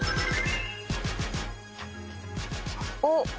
おっ！